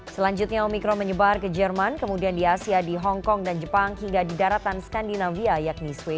selanjutnya omikron menyebar ke jerman kemudian di asia di hongkong dan jepang hingga di daratan skandinavia yakni swee